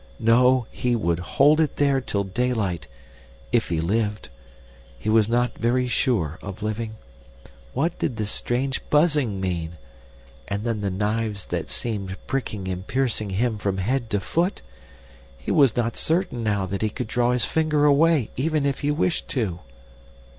No, he would hold it there till daylight if he lived! He was not very sure of living. What did this strange buzzing mean? And then the knives that seemed pricking and piercing him from head to foot? He was not certain now that he could draw his finger away, even if he wished to.